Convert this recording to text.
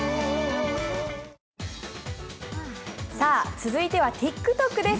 続いてはＴｉｋＴｏｋです。